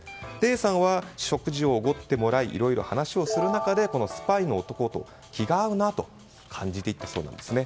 Ａさんは、食事をおごってもらいいろいろ話をする中でこのスパイの男と気が合うなと感じていったそうなんですね。